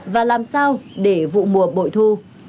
và làm sao để vụ mùa bội thu